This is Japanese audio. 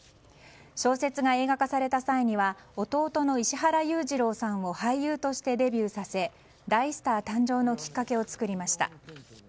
小説が映画化された際には弟の石原裕次郎さんを俳優としてデビューさせ大スター誕生のきっかけを作りました。